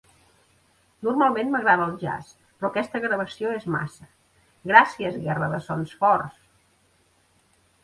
Normalment m'agrada el jazz, però aquesta gravació és massa. Gràcies guerra de sons forts!